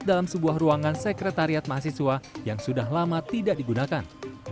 dalam sebuah ruangan sekretariat mahasiswa yang sudah lama tidak digunakan